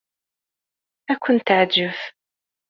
Ad ken-teɛjeb.